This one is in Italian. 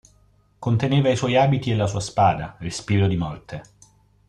Conteneva i suoi abiti e la sua spada, Respiro di morte.